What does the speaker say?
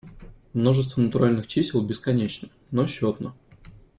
Множество натуральных чисел бесконечно, но счетно.